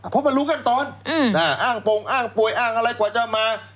พบมารู้กันตอนอ้างป่งอ้างป่วยอ้างอะไรกว่าจะมา